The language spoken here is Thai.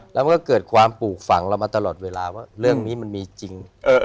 แล้วมันก็เกิดความปลูกฝังเรามาตลอดเวลาว่าเรื่องนี้มันมีจริง